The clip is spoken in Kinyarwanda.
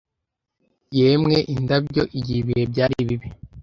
Yemwe indabyo, igihe ibihe byari bibi,